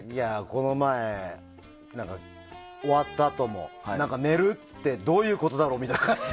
この前、終わったあとも寝るってどういうことだろう